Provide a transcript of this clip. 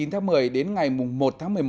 thưa quý vị từ ngày hôm nay